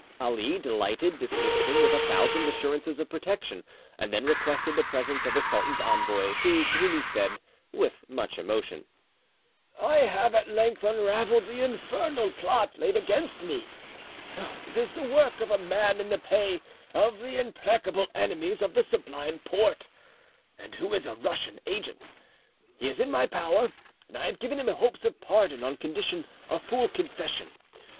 Ali, delighted, dismissed him with a thousand assurances of protection, and then requested the presence of the sultan's envoy, to whom he said, with much emotion: "I have at length unravelled the infernal plot laid against me; it is the work of a man in the pay of the implacable enemies of the Sublime Porte, and who is a Russian agent. He is in my power, and I have given him hopes of pardon on condition of full confession.